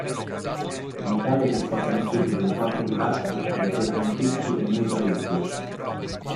In Italia si scatenò subito un forte dibattito fra interventisti e neutralisti.